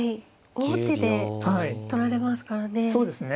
王手で取られますからね。